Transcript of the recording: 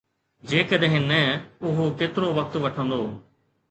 جيڪڏهن نه، اهو ڪيترو وقت وٺندو ؟؟